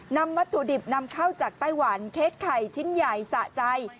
วัตถุดิบนำเข้าจากไต้หวันเค้กไข่ชิ้นใหญ่สะใจ